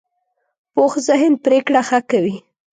پوخ ذهن پرېکړه ښه کوي